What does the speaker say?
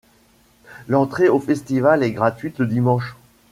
L'entrée au festival est gratuite le dimanche.